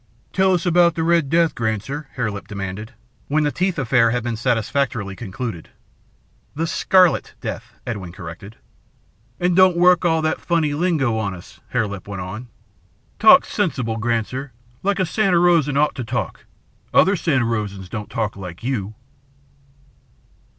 "Tell us about the Red Death, Granser," Hare Lip demanded, when the teeth affair had been satisfactorily concluded. "The Scarlet Death," Edwin corrected. "An' don't work all that funny lingo on us," Hare Lip went on. "Talk sensible, Granser, like a Santa Rosan ought to talk. Other Santa Rosans don't talk like you."